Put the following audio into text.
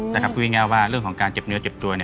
แต่ครับก็มีแง่ว่าเรื่องของการเจ็บเนื้อเจ็บตัว